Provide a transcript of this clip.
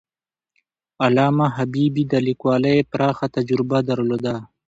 علامه حبيبي د لیکوالۍ پراخه تجربه درلوده.